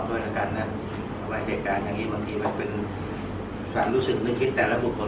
เพราะว่าป้าก็ไม่ตั้งใจแต่มันเป็นอารมณ์ช่วงดูดหรือเป็นอารมณ์ผู้สร้าง